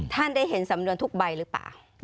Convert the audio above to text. ท่านได้เห็นสำนวนทุกใบหรือเปล่า